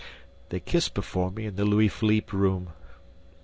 They kissed before me in the Louis Philippe room